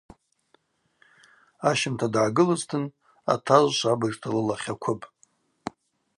Ащымта дгӏагылызтын – атажв швабыжта лылахь аквыпӏ.